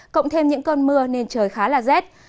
cộng thêm những cơn mưa nên trời khá là rét